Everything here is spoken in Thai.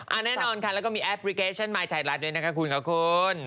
อ่าแน่นอนค่ะแล้วก็มีแอปปริเคชันมาใช้รัดด้วยนะคะคุณกับคุณ